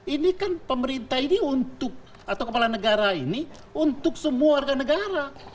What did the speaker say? ini kan pemerintah ini untuk atau kepala negara ini untuk semua warga negara